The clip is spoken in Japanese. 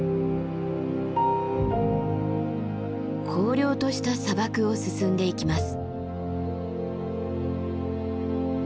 荒涼とした砂漠を進んでいきます。